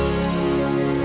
ambil itu cepat berhenti